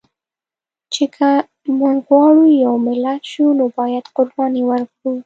چې که مونږ غواړو چې یو ملت شو، نو باید قرباني ورکړو